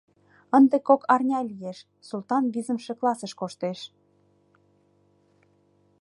Ынде кок арня лиеш, Султан визымше классыш коштеш.